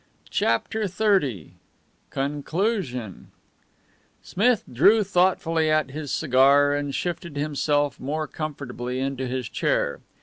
CHAPTER XXX CONCLUSION Smith drew thoughtfully at his cigar, and shifted himself more comfortably into his chair.